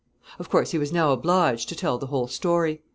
] Of course he was now obliged to tell the whole story.